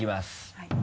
はい。